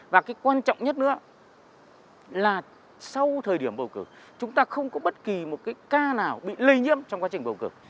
và cái quan trọng nhất nữa là sau thời điểm bầu cử chúng ta không có bất kỳ một cái ca nào bị lây nhiễm trong quá trình bầu cử